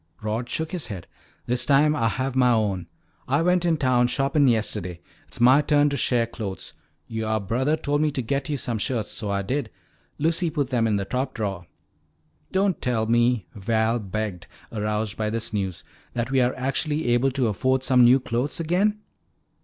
Rod shook his head. "This time Ah have mah own. Ah went in town shoppin' yesterday. It's mah turn to share clothes. Youah brothah told me to get yo' some shirts. So Ah did. Lucy put them in the top drawer." "Don't tell me," Val begged, aroused by this news, "that we are actually able to afford some new clothes again?"